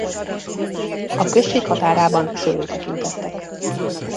A község határában szőlőket ültettek.